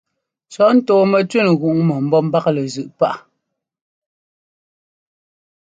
Cɔ̌ ntɔɔmɛtẅín gʉŋ mɔ ḿbɔ́ ḿbaklɛ zʉꞌ páꞌ.